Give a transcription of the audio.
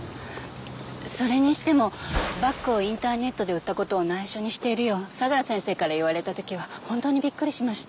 それにしてもバッグをインターネットで売った事を内緒にしているよう相良先生から言われた時は本当にびっくりしました。